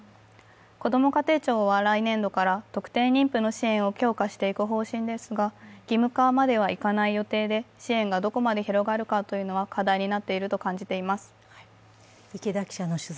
こども家庭庁は来年度から特定妊婦の支援を強化していく方針ですが、義務化まではいかない予定で、支援がどこまで広がるかというのは課題になっていると感じています。